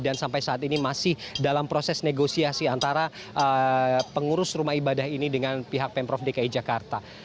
dan sampai saat ini masih dalam proses negosiasi antara pengurus rumah ibadah ini dengan pihak pemprov dki jakarta